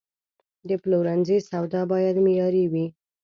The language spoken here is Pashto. د پلورنځي سودا باید معیاري وي.